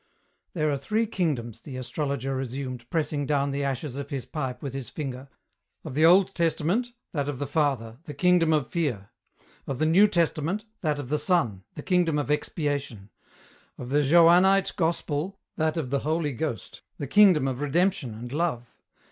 "There are three kingdoms," the astrologer resumed, pressing down the ashes of his pipe with his finger. "Of the Old Testament, that of the Father, the kingdom of fear. Of the New Testament, that of the Son, the kingdom of expiation. Of the Johannite Gospel, that of the Holy Ghost, the kingdom of redemption and love.